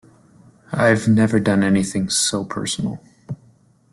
I've never done anything so personal.